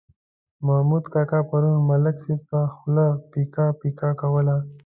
محمود کاکا پرون ملک صاحب ته خوله پیکه پیکه کوله.